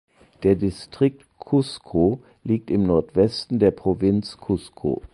Der Distrikt Cusco liegt im Nordwesten der Provinz Cusco.